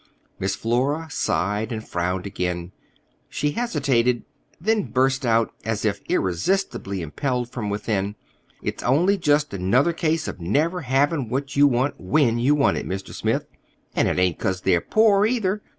Miss Flora sighed and frowned again. She hesitated, then burst out, as if irresistibly impelled from within. "It's only just another case of never having what you want when you want it, Mr. Smith. And it ain't 'cause they're poor, either.